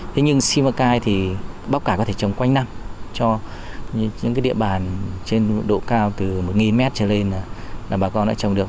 thế nhưng simacai thì bắp cải có thể trồng quanh năm cho những địa bàn trên độ cao từ một m trở lên là bà con đã trồng được